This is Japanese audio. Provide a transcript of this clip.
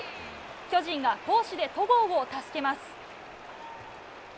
巨人が好守で戸郷を助けます。